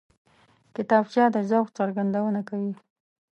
کتابچه د ذوق څرګندونه کوي